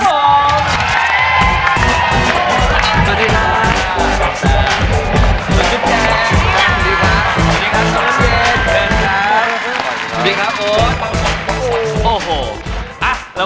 สวัสดีครับ